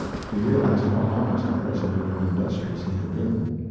He realized how honest and resolute and industrious he had been.